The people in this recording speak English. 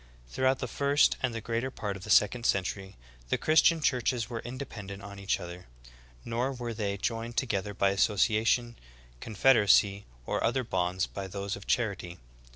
Throughout the first and the greater part of the second century, "the Christian churches were independent on each other ; nor were they joined together by association, confederacy, or other bonds but those of charity.